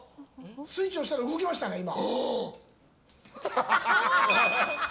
スイッチを押したら動きましたね、今！